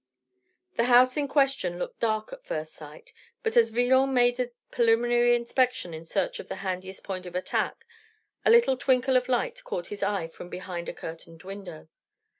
The house in question looked dark at first sight; but as Villon made a preliminary inspection in search of the handiest point of attack, a little twinkle of light caught his eye from behind a curtained window.